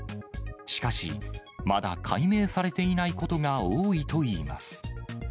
しかし、まだ解明されていないことが多いといいます。